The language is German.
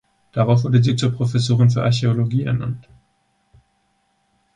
Darauf wurde sie zur Professorin für Archäologie ernannt.